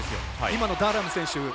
今のダーラム選手